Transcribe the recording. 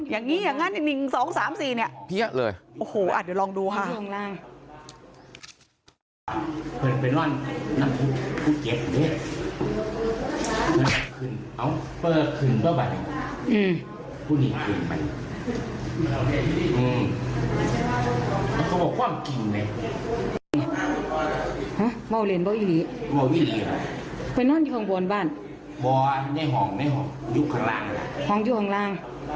อย่างงี้อย่างงั้น๑๒๓๔เนี่ยเหี้ยเลยโอ้โหอ่อ่ะเดี๋ยวลองดูฮะ